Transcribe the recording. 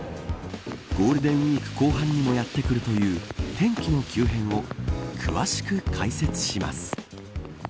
ゴールデンウイーク後半にもやってくるという天気の急変を詳しく解説します。